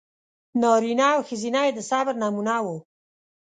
نارینه او ښځینه یې د صبر نمونه و.